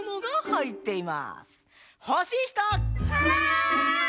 はい！